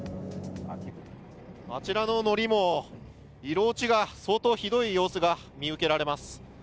あちらののりも色落ちが相当ひどい様子が見受けられます。